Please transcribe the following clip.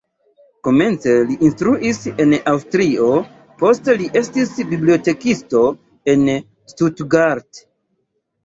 Komence li instruis en Aŭstrio, poste li estis bibliotekisto en Stuttgart.